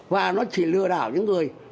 và nó chỉ lừa đảo những người